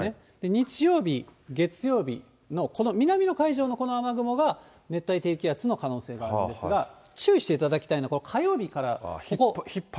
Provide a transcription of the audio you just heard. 日曜日、月曜日の、この南の海上のこの雨雲が熱帯低気圧の可能性があるんですが、注意していただきたいのは、これ、火曜日からここ。